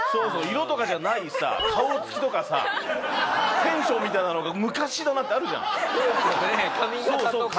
色とかじゃないさ顔つきとかさテンションみたいなのが「昔だな！」ってあるじゃん。髪形とか。